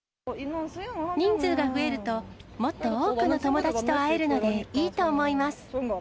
人数が増えると、もっと多くの友達と会えるのでいいと思います。